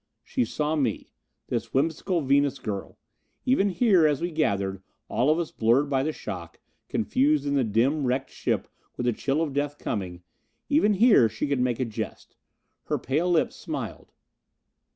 She saw me. This whimsical Venus girl! Even here as we gathered, all of us blurred by the shock, confused in the dim, wrecked ship with the chill of death coming even here she could make a jest. Her pale lips smiled.